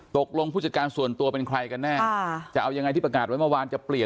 ผู้จัดการส่วนตัวเป็นใครกันแน่จะเอายังไงที่ประกาศไว้เมื่อวานจะเปลี่ยน